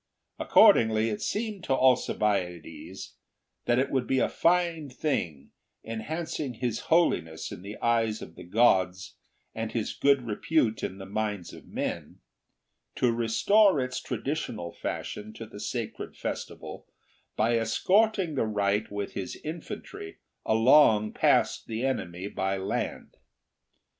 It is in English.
Accordingly, it seemed to Alcibiades that it would be a fine thing, enhancing his holiness in the eyes of the gods and his good repute in the minds of men, to restore its traditional fashion to the sacred festival by escorting the rite with his infantry along past the enemy by land.